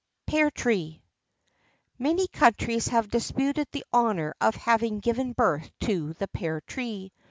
[XIII 13] PEAR TREE. Many countries have disputed the honour of having given birth to the pear tree.